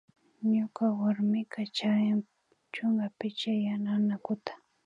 Ñuka warmika charin chunka picha yana anakukunata